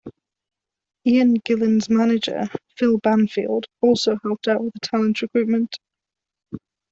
Ian Gillan's manager Phil Banfield also helped out with talent recruitment.